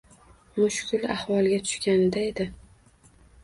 Mushkul ahvolga tushganida edi.